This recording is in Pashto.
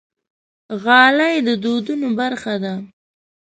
غالۍ د دودونو برخه ده.